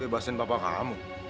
bebasin papa kamu